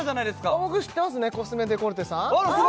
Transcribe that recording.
ああ僕知ってますねコスメデコルテさん？